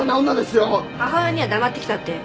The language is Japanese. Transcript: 母親には黙って来たって。